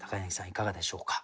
いかがでしょうか。